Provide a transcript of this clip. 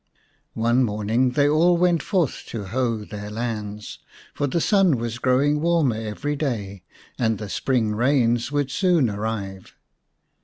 One morning they all went forth to hoe their lands, for the sun was growing warmer every day and the spring rains would soon arrive.